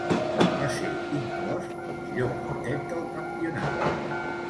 Va ser inclòs al millor quintet del campionat.